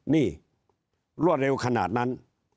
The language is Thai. นี่รวดเร็วขนาดนั้น